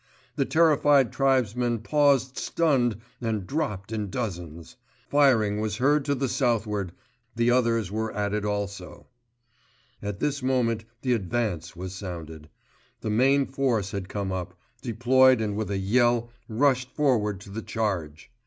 The terrified tribesmen paused stunned and dropped in dozens. Firing was heard to the southward—the others were at it also. At this moment the advance was sounded. The main force had come up, deployed and with a yell rushed forward to the charge.